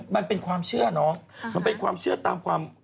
มันเป็นความเชื่อเนาะมันเป็นความเชื่อตามความ